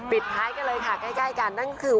ปิดท้ายกันเลยค่ะใกล้กันนั่นคือ